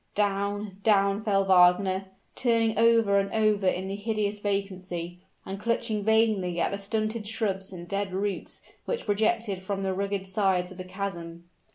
Down down fell Wagner, turning over and over in the hideous vacancy, and clutching vainly at the stunted shrubs and dead roots which projected from the rugged sides of the chasm.